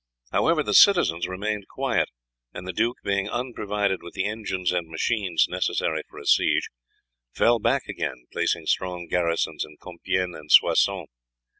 However, the citizens remained quiet, and the duke, being unprovided with the engines and machines necessary for a siege, fell back again, placing strong garrisons in Compiègne and Soissons.